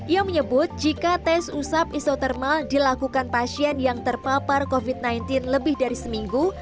ia menyebut jika tes usap isotermal dilakukan pasien yang terpapar covid sembilan belas lebih dari seminggu